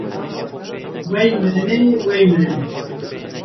Wey mirinê, wey mirinê